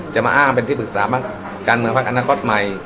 จะมาอ้างเป็นที่ปรึกษาพักการเมืองพักอนาคตใหม่